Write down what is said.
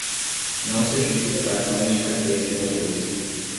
Não certifica cartões de carteira de motorista.